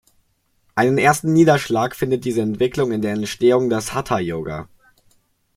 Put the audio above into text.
Einen ersten Niederschlag findet diese Entwicklung in der Entstehung des Hatha Yoga.